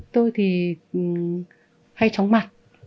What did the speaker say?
tôi thì hay tróng mặt